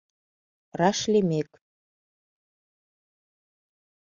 Раш лиймек